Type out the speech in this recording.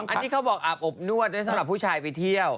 อันนี้เขาบอกอาบอบนวดนะสำหรับผู้ชายไปเที่ยว